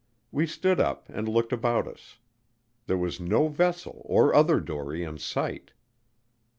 We stood up and looked about us. There was no vessel or other dory in sight.